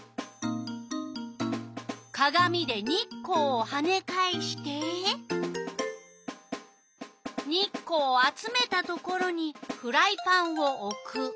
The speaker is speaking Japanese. かがみで日光をはねかえして日光を集めたところにフライパンをおく。